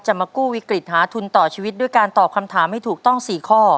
มากู้วิกฤตหาทุนต่อชีวิตด้วยการตอบคำถามให้ถูกต้อง๔ข้อ